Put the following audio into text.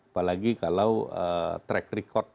apalagi kalau track record